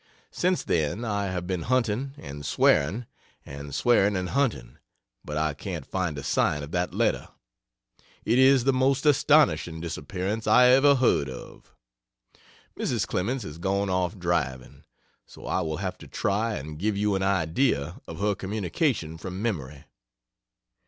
Since then I have been hunting and swearing, and swearing and hunting, but I can't find a sign of that letter. It is the most astonishing disappearance I ever heard of. Mrs. Clemens has gone off driving so I will have to try and give you an idea of her communication from memory.